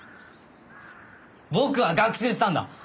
僕は学習したんだ。